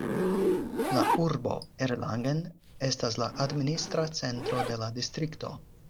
La urbo Erlangen estas la administra centro de la distrikto.